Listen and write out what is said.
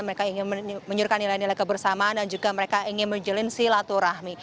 mereka ingin menyuruhkan nilai nilai kebersamaan dan juga mereka ingin menjalin silaturahmi